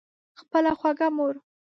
خپله خوږه مور